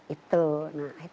itu nah itu